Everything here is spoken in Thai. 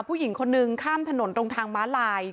ผู้หญิงคนนึงข้ามถนนตรงทางม้าลาย